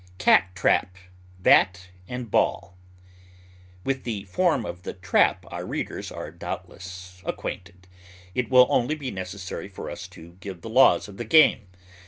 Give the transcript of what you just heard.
CAT TRAP, BAT, AND BALL.[L] With the form of the trap our readers are, doubtless, acquainted; it will only be necessary for us to give the laws of the game.